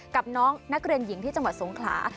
กับน้องนักเรียนหญิงที่จังหวัดสงขลา